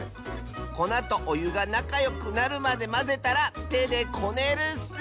こなとおゆがなかよくなるまでまぜたらてでこねるッス！